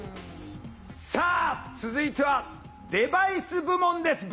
さあ続いてはデバイス部門です。